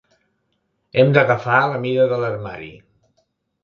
Hem d'agafar la mida de l'armari.